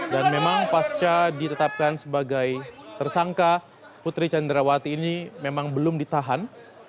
dan memang pasca ditetapkan sebagai tersangka putri cendrawati ini memang belum ditahan